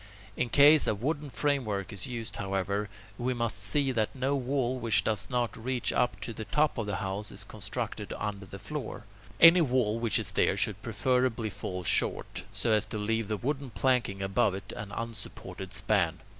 In case a wooden framework is used, however, we must see that no wall which does not reach up to the top of the house is constructed under the floor. Any wall which is there should preferably fall short, so as to leave the wooden planking above it an unsupported span.